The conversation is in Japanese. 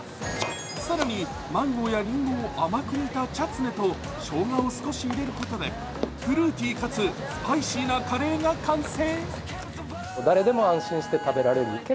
更にマンゴーやりんごを甘く煮たチャツネとしょうがを少し入れることでフルーティーかつ、スパイシーなカレーが完成。